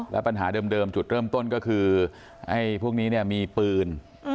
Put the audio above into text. แล้วปัญหาเดิมจุดเริ่มต้นก็คือไอ้พวกนี้มีปืน